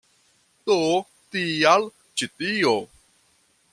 Do tial ĉi tio.